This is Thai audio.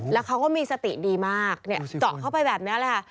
แล้วเขาก็มีสติดีมากเนี่ยเจาะเข้าไปแบบนี้เลยค่ะ